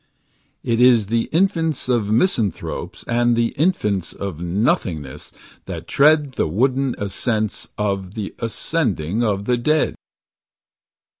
16 It is the infants of misanthropes And the infants of nothingness That tread The wooden ascents Of the ascending of the dead.